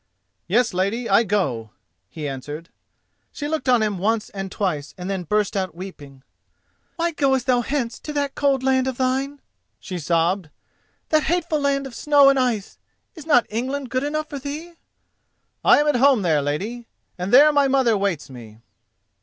"Yes, lady; I go," he answered. She looked on him once and twice and then burst out weeping. "Why goest thou hence to that cold land of thine?" she sobbed—"that hateful land of snow and ice! Is not England good enough for thee?" "I am at home there, lady, and there my mother waits me."